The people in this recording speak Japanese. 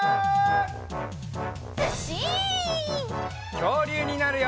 きょうりゅうになるよ！